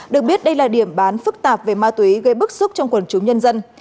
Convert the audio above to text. được biết đây là điểm bán phức tạp về ma túy gây bức xúc trong quần chúng nhân dân